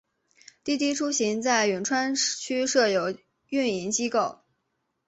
滴滴出行在永川区设有运营机构。